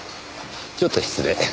ちょっと失礼。